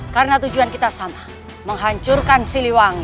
karena tujuan kita sama menghancurkan siliwangi